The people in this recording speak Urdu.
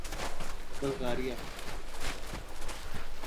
بلغاریہ